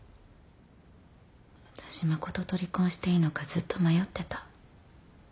私誠と離婚していいのかずっと迷ってた。